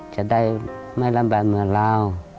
จะได้ไม่ลำบากเหมือนเรา